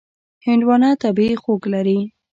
هندوانه طبیعي خوږ لري.